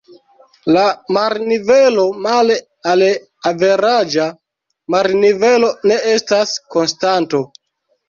La marnivelo male al averaĝa marnivelo ne estas konstanto.